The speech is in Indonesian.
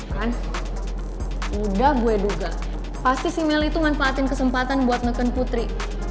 kan udah gue duga pasti si meli itu manfaatin kesempatan buat neken putri